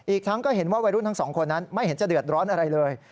อีกทั้งก็เห็นว่าวัยรุ่นทั้งสองคนนั้นไม่เห็นจะเดือดร้อนอะไรเลย